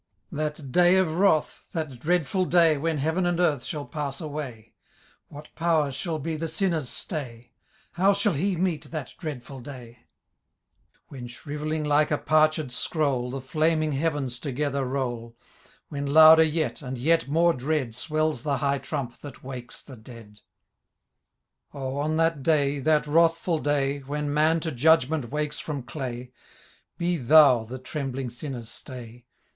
That day of wrath, that dreadful day. When heaven and earth shall pass away. What power shall he the sinner's stay ? How shall he meet that dreadful day ? When, shrivelling like a parched scroll. The flaming heavens together roll ; When louder yet, and yet more dread. Swells the high trump that wakes the dead i Oh ! on that day, that wrathftil day. When man to judgment wakes from clay. Be Thou the trembling sinner's stay.